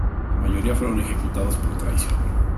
La mayoría fueron ejecutados por traición.